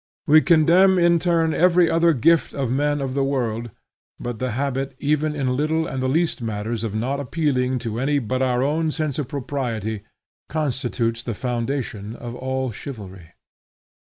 We contemn in turn every other gift of men of the world; but the habit even in little and the least matters of not appealing to any but our own sense of propriety, constitutes the foundation of all chivalry.